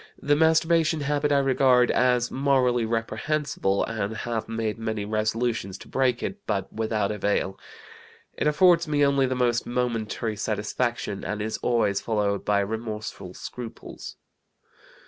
The masturbation habit I regard as morally reprehensible and have made many resolutions to break it, but without avail. It affords me only the most momentary satisfaction, and is always followed by remorseful scruples.